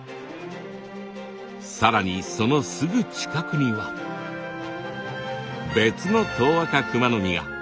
更にそのすぐ近くには別のトウアカクマノミが。